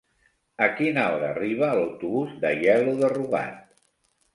A quina hora arriba l'autobús d'Aielo de Rugat?